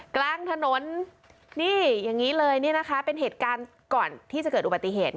กลางถนนนี่อย่างนี้เลยนี่นะคะเป็นเหตุการณ์ก่อนที่จะเกิดอุบัติเหตุ